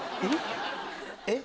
えっ？